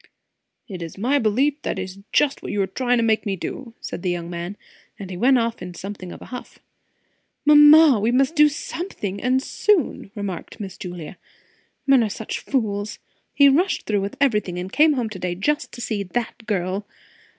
"It's my belief, that is just what you are trying to make me do!" said the young man; and he went off in something of a huff. "Mamma, we must do something. And soon," remarked Miss Julia. "Men are such fools! He rushed through with everything and came home to day just to see that girl.